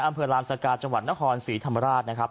อำเภอลานสกาจังหวัดนครศรีธรรมราชนะครับ